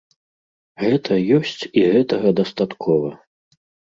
Гэта ёсць, і гэтага дастаткова.